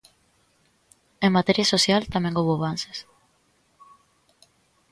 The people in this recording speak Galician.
En materia social tamén houbo avances.